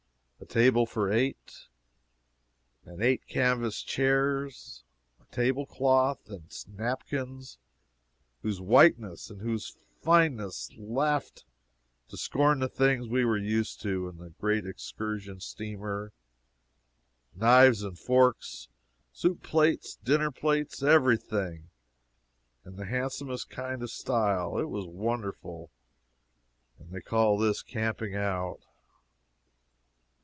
A table for eight, and eight canvas chairs; a table cloth and napkins whose whiteness and whose fineness laughed to scorn the things we were used to in the great excursion steamer; knives and forks, soup plates, dinner plates every thing, in the handsomest kind of style. It was wonderful! And they call this camping out.